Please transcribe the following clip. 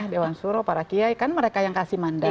dewan suro para kiai kan mereka yang kasih mandat